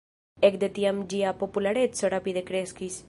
Ekde tiam ĝia populareco rapide kreskis.